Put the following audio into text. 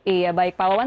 iya baik pak wawan